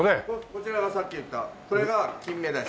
こちらがさっき言ったこれがキンメダイ。